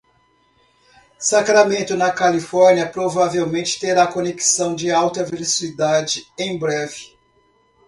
Sacramento, na Califórnia, provavelmente terá conexão de alta velocidade em breve.